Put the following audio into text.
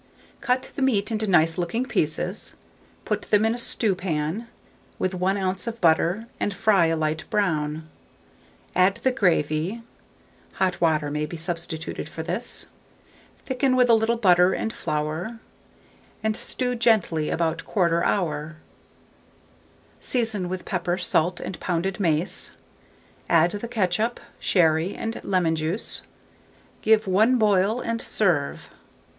Cut the meat into nice looking pieces, put them in a stewpan with 1 oz. of butter, and fry a light brown; add the gravy (hot water may be substituted for this), thicken with a little butter and flour, and stew gently about 1/4 hour; season with pepper, salt, and pounded mace; add the ketchup, sherry, and lemon juice; give one boil, and serve.